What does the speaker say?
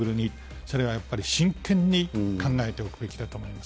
それはやっぱり、真剣に考えておくべきだと思います。